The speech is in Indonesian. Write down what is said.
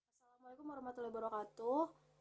assalamualaikum warahmatullahi wabarakatuh